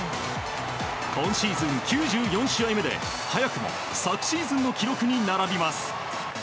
今シーズン９４試合目で早くも昨シーズンの記録に並びます。